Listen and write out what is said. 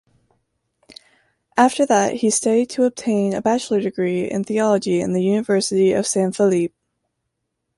After that, he studied to obtain a bachelor degree in theology in the University of San Felipe.